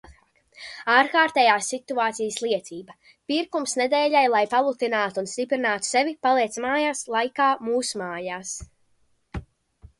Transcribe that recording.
Ārkārtējās situācijas liecība. Pirkums nedēļai, lai palutinātu un stiprinātu sevi paliec mājās laikā mūsmājās.